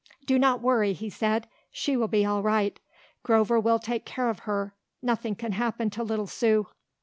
"Do not worry," he said. "She will be all right. Grover will take care of her. Nothing can happen to little Sue."